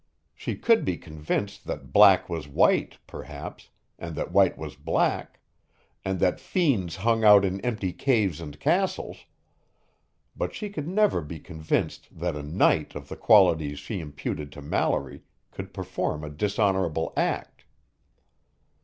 She could be convinced that black was white, perhaps, and that white was black, and that fiends hung out in empty caves and castles; but she could never be convinced that a "knight" of the qualities she imputed to Mallory could perform a dishonorable act.